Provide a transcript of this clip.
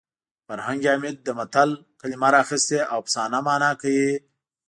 فرهنګ عمید د متل کلمه راخیستې او افسانه مانا کوي